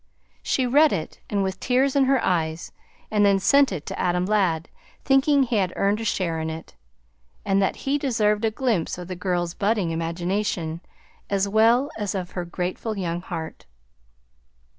She read it with tears in her eyes and then sent it to Adam Ladd, thinking he had earned a share in it, and that he deserved a glimpse of the girl's budding imagination, as well as of her grateful young heart.